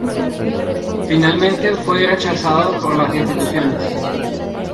Finalmente, fue rechazado por las instituciones.